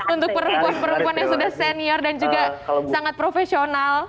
untuk perempuan perempuan yang sudah senior dan juga sangat profesional